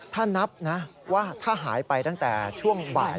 ถ้านับนะว่าถ้าหายไปตั้งแต่ช่วงบ่าย